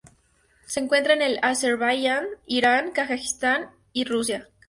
Se encuentra en el Azerbaiyán, Irán, Kazajistán y Rusia.